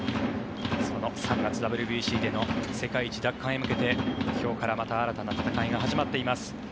その３月、ＷＢＣでの世界一奪還へ向けて今日からまた新たな戦いが始まっています。